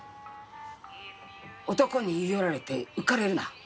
「男に言い寄られて浮かれるな」